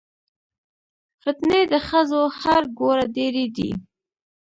فتنې د ښځو هر ګوره ډېرې دي